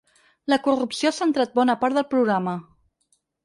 La corrupció ha centrat bona part del programa.